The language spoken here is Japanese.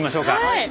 はい！